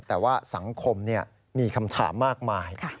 แต่ว่าสังคมมีคำถามมากมาย